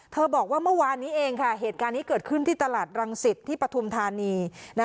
บอกว่าเมื่อวานนี้เองค่ะเหตุการณ์นี้เกิดขึ้นที่ตลาดรังสิตที่ปฐุมธานี